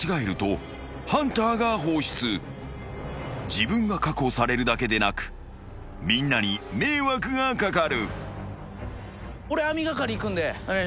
［自分が確保されるだけでなくみんなに迷惑が掛かる］